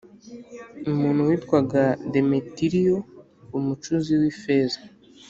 Umuntu witwaga Demetiriyo umucuzi w ifeza